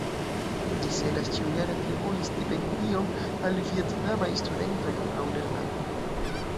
Ĝi celas ĉiujare atribui stipendion al vjetnamaj studentoj aŭ lernantoj.